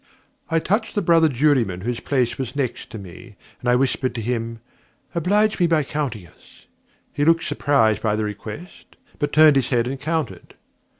I touched the brother juryman whose place was next to me, and I whispered to him, 'Oblige me by counting us.' He looked surprised by the request, but turned his head and counted.